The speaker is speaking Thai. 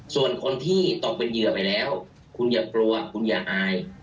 ส่วนคนที่ตกเป็นเหยื่อไปแล้วคุณอย่ากลัวคุณอย่าอาย